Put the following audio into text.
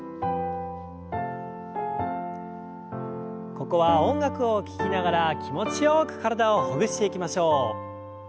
ここは音楽を聞きながら気持ちよく体をほぐしていきましょう。